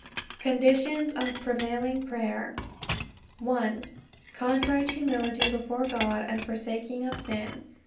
Conditions of Prevailing Prayer 1. Contrite humility before God and forsaking of sin.